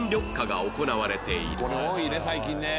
「これ多いね最近ね」